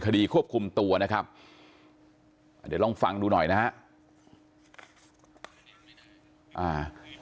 คดีควบคุมตัวนะครับอ่าเดี๋ยวลองฟังดูหน่อยนะฮะอ่า